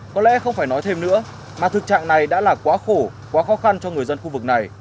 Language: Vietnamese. có lẽ không phải nói thêm nữa mà thực trạng này đã là quá khổ quá khó khăn cho người dân khu vực này